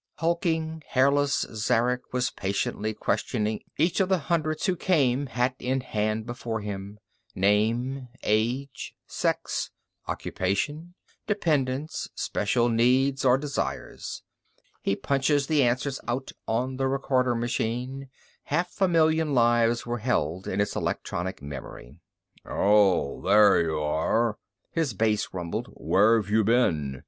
Hulking hairless Zarek was patiently questioning each of the hundreds who came hat in hand before him: name, age, sex, occupation, dependents, special needs or desires. He punches the answers out on the recorder machine, half a million lives were held in its electronic memory. "Oh, there you are," his bass rumbled. "Where've you been?"